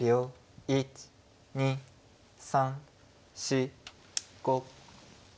１２３４５。